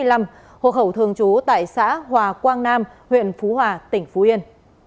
năm một nghìn chín trăm chín mươi năm hộ khẩu thường trú tại xã hòa quang nam huyện phú hòa tỉnh phú yên